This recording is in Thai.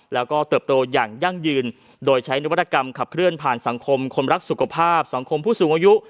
แล้วก็เติบโตอย่างยั่งยืนโดยใช้นวัตกรรมขับเคลื่อนผ่านสังคมคนรักสุขภาพสังคมผู้สูงอายุ